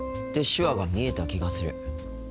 手話が見えた気がする。